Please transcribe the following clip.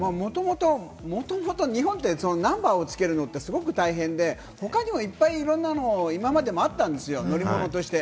もともと日本ってナンバーをつけるのってすごく大変で、他にもいっぱいいろんなの今までもあったんですよ、乗り物として。